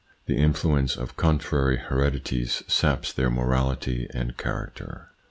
The influence of contrary heredities saps their morality and character.